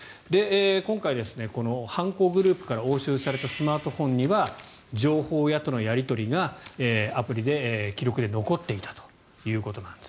今回、犯行グループから押収されたスマートフォンには情報屋とのやり取りがアプリで、記録で残っていたということなんです。